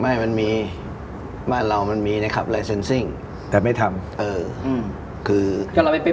ไม่มันมีบ้านเรามันมีนะครับแต่ไม่ทำเอออืมคือก็เราไปไป